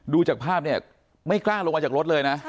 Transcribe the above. ดูจากภาพเนี่ยไม่กล้าลงมาจากรถเลยนะ